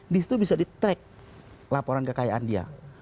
disitu bisa di track laporan kekayaan dia